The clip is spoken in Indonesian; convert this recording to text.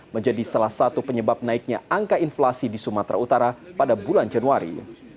menjadi salah satu penyebab naiknya angka inflasi di sumatera utara pada bulan januari